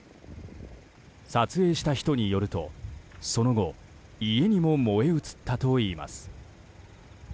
撮影した人によると、その後家にも燃え移ったといいます。